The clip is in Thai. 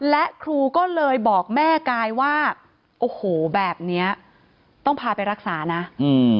และครูก็เลยบอกแม่กายว่าโอ้โหแบบเนี้ยต้องพาไปรักษานะอืม